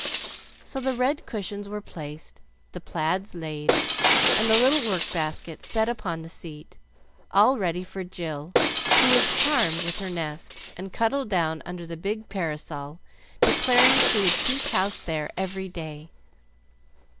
So the red cushions were placed, the plaids laid, and the little work basket set upon the seat, all ready for Jill, who was charmed with her nest, and cuddled down under the big parasol, declaring she would keep house there every day.